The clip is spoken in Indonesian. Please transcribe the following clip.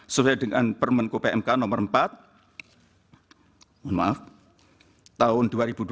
sesuai dengan permenko pmk no empat tahun dua ribu dua puluh